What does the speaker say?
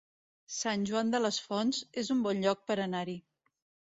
Sant Joan les Fonts es un bon lloc per anar-hi